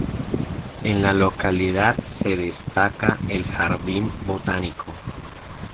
En la localidad se destaca el Jardín Botánico.